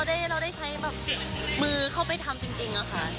ได้เราได้ใช้แบบมือเข้าไปทำจริงอะค่ะ